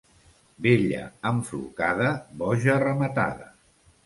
Vella enflocada, boja rematada.